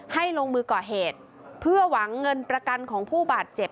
ลงมือก่อเหตุเพื่อหวังเงินประกันของผู้บาดเจ็บ